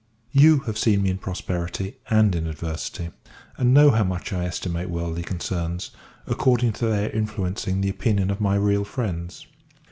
You have seen me in prosperity, and in adversity; and know how much I estimate worldly concerns, according to their influencing the opinion of my real friends.